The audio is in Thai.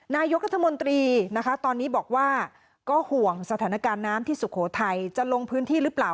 นายกรัฐมนตรีนะคะตอนนี้บอกว่าก็ห่วงสถานการณ์น้ำที่สุโขทัยจะลงพื้นที่หรือเปล่า